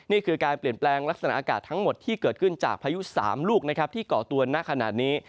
นี่คือการเปลี่ยนแปลงลักษณะอากาศทั้งหมดที่เกิดขึ้นจากพายุ๓ลูกนะครับที่เกาะตัวณขณะนี้